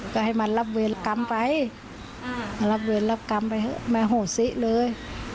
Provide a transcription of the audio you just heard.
ก็ให้มันรับเวรกรรมไปมารับเวรรับกรรมไปเถอะแม่โหสิเลย